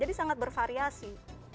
jadi sangat bervariasi